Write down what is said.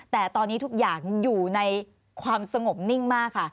แต่ตอนนี้ทุกอย่างอยู่ในความสงบนิ่งมากค่ะ